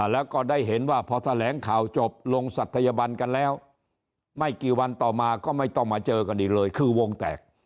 แล้วก็ได้เห็นว่าพอแถลงข่าวจบลงศัตยบันกันแล้วไม่กี่วันต่อมาก็ไม่ต้องมาเจอกันอีกเลยคือวงแตก